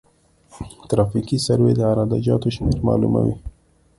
ترافیکي سروې د عراده جاتو شمېر معلوموي